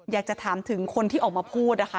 อยากจะถามถึงคนที่ออกมาพูดนะคะ